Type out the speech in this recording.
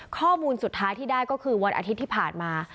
ข้อมูลสุดท้ายที่ได้ก็คือวันอาทิตย์ที่ผ่านมา